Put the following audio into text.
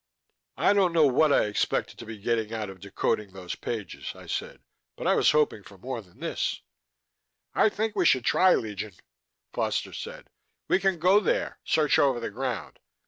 "I don't know what I expected to get out of decoding those pages," I said. "But I was hoping for more than this." "I think we should try, Legion," Foster said. "We can go there, search over the ground.